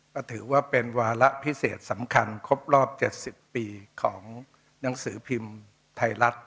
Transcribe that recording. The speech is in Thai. ก็ถือว่าเป็นวาระพิเศษสำคัญครบรอบ๗๐ปีของหนังสือพิมพ์ไทยรัฐ